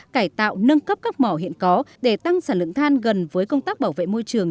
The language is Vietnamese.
cải tạo nâng cấp các mỏ hiện có để tăng sản lượng than gần với công tác bảo vệ môi trường